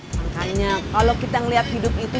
makanya kalau kita melihat hidup itu